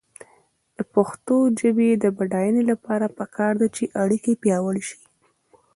د پښتو ژبې د بډاینې لپاره پکار ده چې اړیکې پیاوړې شي.